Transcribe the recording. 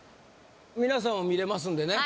皆さんも見れますんでね